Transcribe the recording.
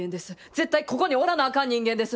絶対ここにおらなあかん人間です。